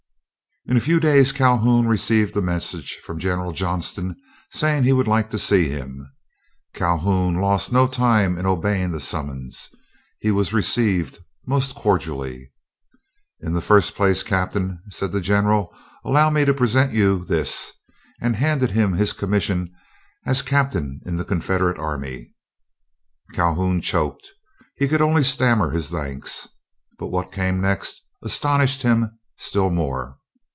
In a few days Calhoun received a message from General Johnston saying he would like to see him. Calhoun lost no time in obeying the summons. He was received most cordially. "In the first place, Captain," said the General, "allow me to present you this," and he handed him his commission as captain in the Confederate army. Calhoun choked, he could only stammer his thanks. But what came next astonished him still more.